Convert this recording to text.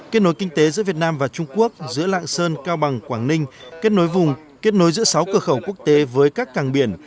kết nối kinh tế giữa việt nam và trung quốc giữa lạng sơn cao bằng quảng ninh kết nối vùng kết nối giữa sáu cửa khẩu quốc tế với các càng biển